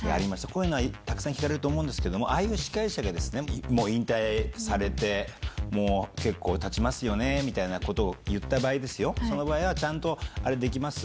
こういうのはたくさん聞かれると思うんですけれども、ああいう司会者が、もう引退されて、もう結構たちますよねみたいなことを言った場合ですよ、その場合はちゃんと、あれできます？